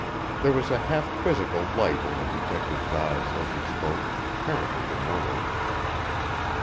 There was a half quizzical light in the detective's eyes as he spoke, apparently to no one.